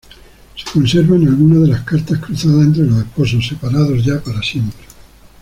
Se conservan algunas de las cartas cruzadas entre los esposos, separados ya para siempre.